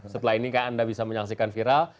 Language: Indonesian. setelah ini anda bisa menyaksikan viral